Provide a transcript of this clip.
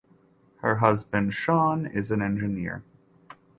Her husband Shan is an engineer.